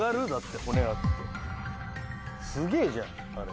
すげぇじゃんあれ。